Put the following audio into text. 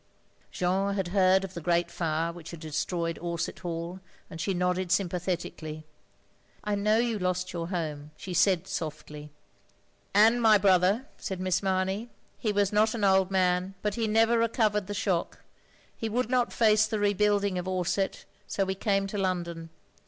Jeanne had heard of the great fire which had destroyed Orsett Hall, and she nodded S3mi pathetically. "I know you lost your home," she said softly. "And my brother, " said Miss Mamey, "he was not an old man, but he never recovered the shock; he would not face the rebuilding of Orsett, so we came to London.